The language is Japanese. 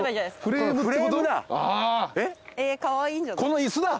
この椅子だ。